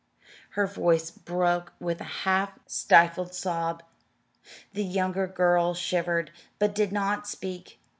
Her voice broke with a half stifled sob. The younger girl shivered, but did not speak.